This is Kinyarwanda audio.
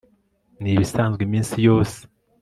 Ni ibisanzwe iminsi yose